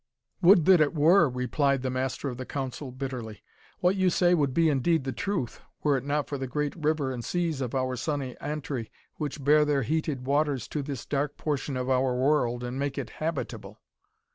"Would that it were!" replied the Master of the Council, bitterly. "What you say would be indeed the truth, were it not for the great river and seas of our sunny Antri, which bear their heated waters to this dark portion of our world, and make it habitable.